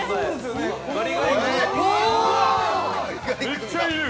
めっちゃいる。